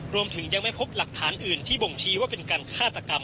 รวมถึงยังไม่พบหลักฐานอื่นที่บ่งชี้ว่าเป็นการฆาตกรรม